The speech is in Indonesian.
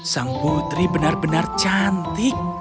sang putri benar benar cantik